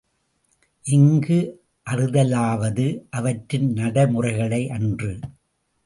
இங்கு அறிதலாவது அவற்றின் நடைமுறைகளையன்று.